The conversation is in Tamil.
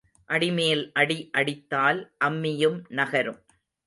அடிமேல் அடி அடித்தால் அம்மியும் நகரும்.